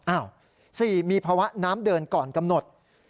๔มีภาวะน้ำเดินก่อนกำหนด